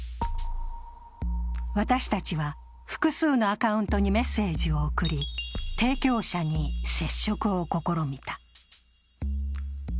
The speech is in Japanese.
私たちは複数のアカウントにメッセージを送り提供者に接触を試みた。